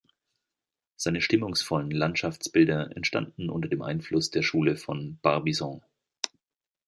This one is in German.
Seine stimmungsvollen Landschaftsbilder entstanden unter dem Einfluss der Schule von Barbizon.